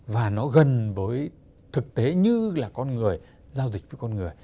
và nó gần với thực tế như là con người giao dịch với con người